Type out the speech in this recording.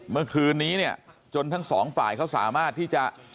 เมื่อคืนนี้เนี่ยจนทั้งสองฝ่ายเขาสามารถที่จะ